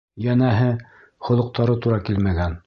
Йәнәһе, холоҡтары тура килмәгән.